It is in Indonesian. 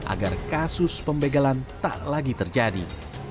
agar kasus pembegalan tak lagi terjadi